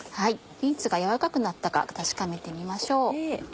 ビーツが軟らかくなったか確かめてみましょう。